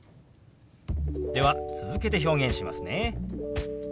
では続けて表現しますね。